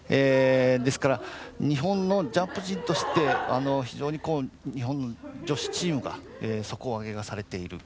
ですから日本のジャンプ陣として非常に日本女子チームが底上げがされている。